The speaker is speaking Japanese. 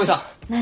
何？